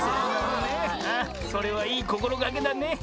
それはいいこころがけだね。